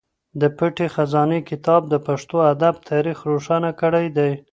د پټې خزانې کتاب د پښتو ادب تاریخ روښانه کړی دی.